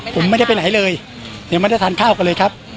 ผมไม่ได้ไปไหนเลยยังไม่ได้ทานข้าวกันเลยครับ